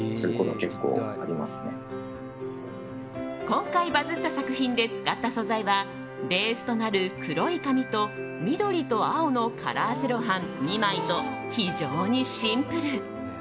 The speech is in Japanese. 今回バズった作品で使った素材はベースとなる黒い紙と緑と青のカラーセロハン２枚と非常にシンプル。